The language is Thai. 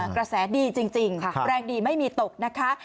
กระแสดีจริงแรงดีไม่มีตกนะคะ